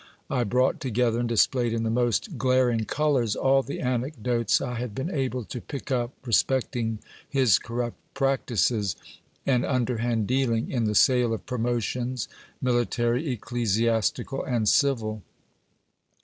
I brought together, and displayed in the most glaring colours, all the anecdotes I had been able to pick up respecting his corrupt practices and underhand dealing in the sale of promotions, military, ecclesiastical, and civil.